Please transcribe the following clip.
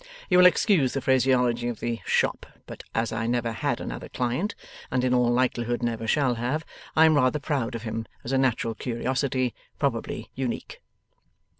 You will excuse the phraseology of the shop, but as I never had another client, and in all likelihood never shall have, I am rather proud of him as a natural curiosity probably unique.